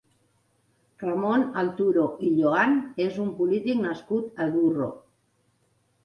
Ramon Alturo i Lloan és un polític nascut a Durro.